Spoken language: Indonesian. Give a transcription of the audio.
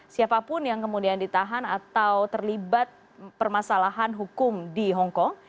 siapapun yang kemudian ditahan atau terlibat permasalahan hukum di hongkong